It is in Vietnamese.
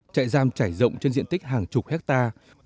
trại giam trải rộng trên diện tích hàng chục hectare